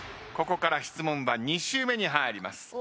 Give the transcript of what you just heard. ここから質問は２周目に入ります。